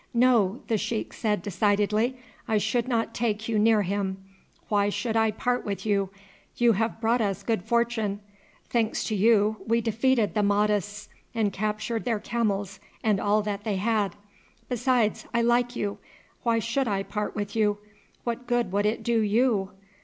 "No," the sheik said decidedly, "I should not take you near him. Why should I part with you? You have brought us good fortune. Thanks to you we defeated the Mahdists and captured their camels and all that they had. Besides, I like you. Why should I part with you? What good would it do you?